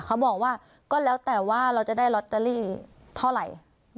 เขาบอกว่าก็แล้วแต่ว่าเราจะได้ลอตเตอรี่เท่าไหร่